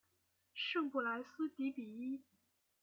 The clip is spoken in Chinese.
圣布莱斯迪比伊。